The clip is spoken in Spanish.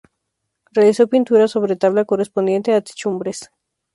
Realizó pinturas sobre tabla correspondiente a techumbres.